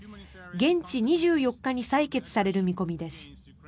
現地２４日に採決される見込みです。